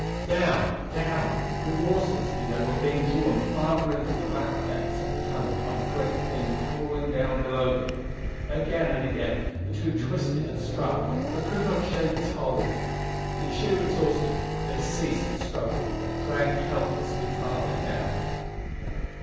Down down remorselessly they were being drawn farther into the black depths of the tunnel by the great thing crawling down below them. Again and again the two twisted and struck, but could not shake its hold. In sheer exhaustion they ceased to struggle, dragged helplessly farther down.